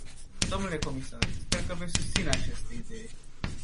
Domnule comisar, sper că veți susține această idee.